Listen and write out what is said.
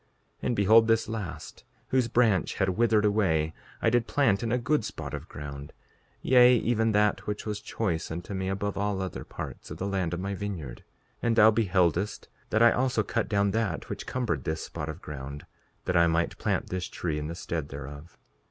5:43 And behold this last, whose branch hath withered away, I did plant in a good spot of ground; yea, even that which was choice unto me above all other parts of the land of my vineyard. 5:44 And thou beheldest that I also cut down that which cumbered this spot of ground, that I might plant this tree in the stead thereof.